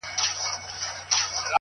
• ماسومان زموږ وېريږي ورځ تېرېږي.